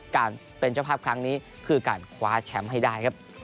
การเป็นเจ้าภาพครั้งนี้คือการคว้าแชมป์ให้ได้ครับ